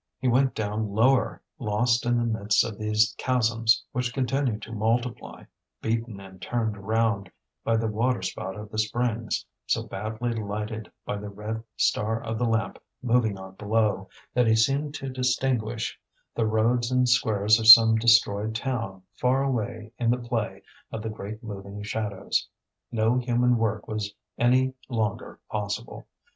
He went down lower, lost in the midst of these chasms which continued to multiply, beaten and turned round by the waterspout of the springs, so badly lighted by the red star of the lamp moving on below, that he seemed to distinguish the roads and squares of some destroyed town far away in the play of the great moving shadows. No human work was any longer possible.